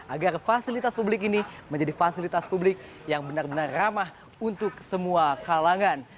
agar fasilitas publik ini menjadi fasilitas publik yang benar benar ramah untuk semua kalangan